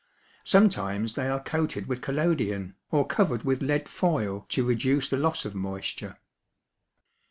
Sometimes they are coated with collodion or covered with lead foil to reduce the loss of moisture.